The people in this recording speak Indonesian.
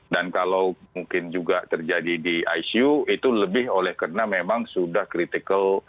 dan kalau mungkin juga terjadi di icu itu lebih oleh karena memang sudah critical